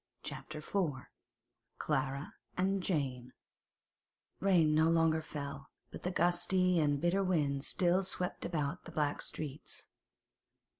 CHAPTER IV CLARA AND JANE Rain no longer fell, but the gusty and bitter wind still swept about the black streets.